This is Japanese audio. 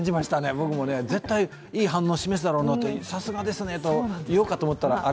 僕も絶対いい反応を示すだろうな、さすがですねと言おうかと思ったら、あれ？